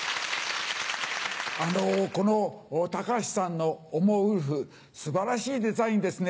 あのこの橋さんの「おもウルフ」素晴らしいデザインですね。